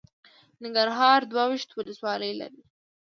ننګرهار دوه ویشت ولسوالۍ لري.